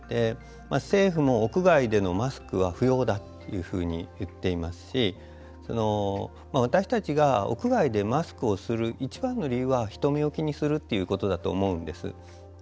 政府も屋外でのマスクは不要だというふうに言っていますし私たちが屋外でマスクをする一番の理由は人目を気にするということだと思うんです。